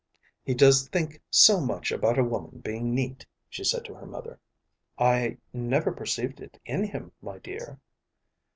"He does think so much about a woman being neat," she said to her mother. "I never perceived it in him, my dear."